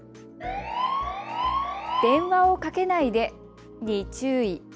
電話をかけないでに注意。